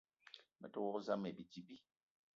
Me te wok zam ayi bidi bi.